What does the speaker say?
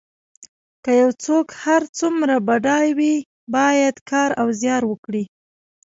که یو څوک هر څومره بډای وي باید کار او زیار وکړي.